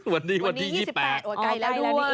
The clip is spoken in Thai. วันนี้วันนี้๒๘โอดไก่แล้ว